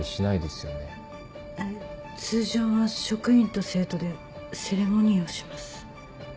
通常は職員と生徒でセレモニーをします。